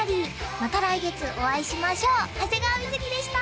また来月お会いしましょう長谷川瑞でした！